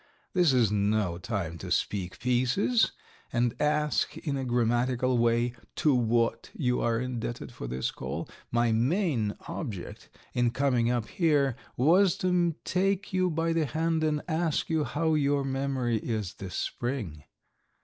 This is no time to speak pieces and ask in a grammatical way, 'To what you are indebted for this call.' My main object in coming up here was to take you by the hand and ask you how your memory is this spring?